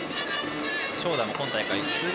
長打も今大会痛烈